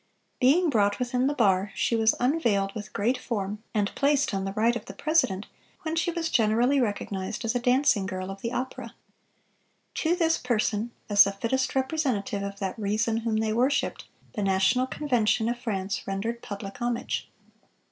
Being brought within the bar, she was unveiled with great form, and placed on the right of the president, when she was generally recognized as a dancing girl of the opera.... To this person, as the fittest representative of that reason whom they worshiped, the National Convention of France rendered public homage.